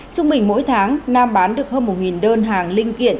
trung bình mỗi tháng nam bán được hơn một đơn hàng linh kiện